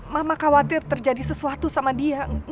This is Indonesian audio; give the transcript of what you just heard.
mama khawatir terjadi sesuatu sama dia